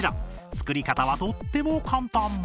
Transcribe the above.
作り方はとっても簡単！